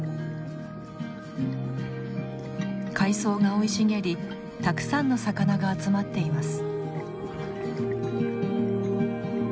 海草が生い茂りたくさんの魚が集まっています。